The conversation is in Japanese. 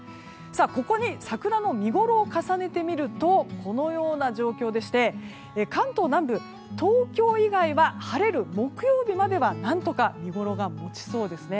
ここに桜の見ごろを重ねてみるとこのような状況でして関東南部東京以外は晴れる木曜日までは何とか見ごろがもちそうです。